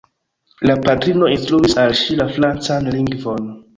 La patrino instruis al ŝi la francan lingvon.